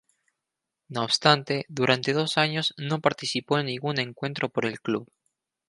No obstante, durante dos años no participó en ningún encuentro por el club.